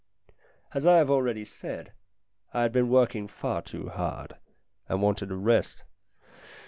As I have already said, I had been working far too hard, and wanted a rest.